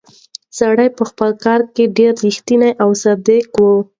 سړی په خپل کار کې ډېر ریښتونی او صادق و.